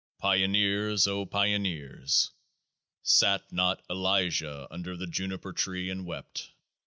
" Pioneers, O Pioneers !" Sat not Elijah under the Juniper tree, and wept?